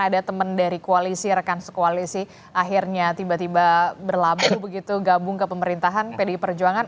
ada teman dari koalisi rekan sekoalisi akhirnya tiba tiba berlabuh begitu gabung ke pemerintahan pdi perjuangan